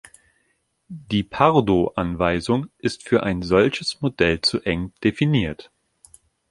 Die pardo-Anweisung ist für ein solches Modell zu eng definiert.